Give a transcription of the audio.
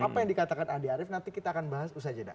apa yang dikatakan andi arief nanti kita akan bahas usaha jeda